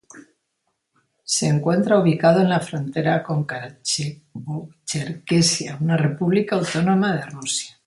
Se encuentra ubicado en la frontera con Karacháyevo-Cherkesia, una república autónoma de Rusia.